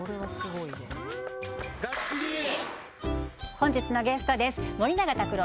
本日のゲストです